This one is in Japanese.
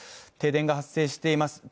停電が発生しています。